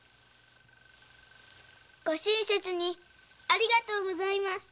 ご親切にありがとうございます。